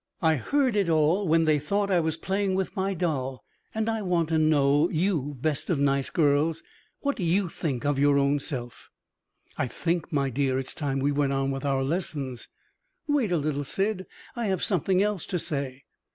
I heard it all when they thought I was playing with my doll and I want to know, you best of nice girls, what you think of your own self?" "I think, my dear, it's time we went on with our lessons." "Wait a little, Syd; I have something else to say."